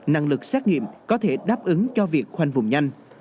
năng lực xét nghiệm có thể đáp ứng cho việc khoanh vùng nhanh